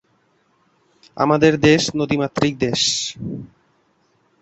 বস্তুটির এই বিশেষ অভিমুখ, আলোক অক্ষ হিসেবে পরিচিত।